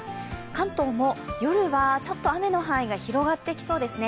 関東も夜は雨の範囲が広がっていきそうですね